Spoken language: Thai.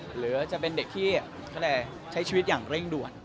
หรือจะเป็นเด็กที่ใช้ชีวิตอย่างเร่งด่วน